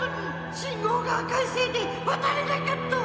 しんごうが赤いせいでわたれなかった！